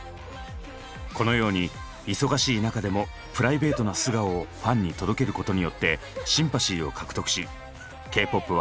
このように忙しい中でもプライベートな素顔をファンに届けることによってシンパシーを獲得しＫーＰＯＰは世界にその魅力を広げてきた。